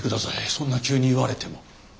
そんな急に言われても。